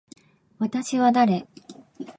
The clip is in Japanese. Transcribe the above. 私は誰。